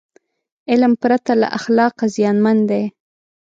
علم پرته له اخلاقه زیانمن دی.